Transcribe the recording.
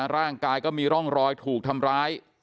ร่างกายก็มีร่องรอยถูกทำร้าย